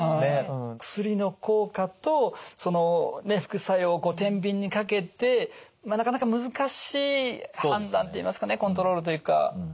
薬の効果とその副作用をてんびんにかけてまあなかなか難しい判断といいますかねコントロールというか。